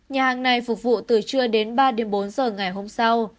nhà hàng này phục vụ từ trưa đến ba bốn giờ ngày hôm sau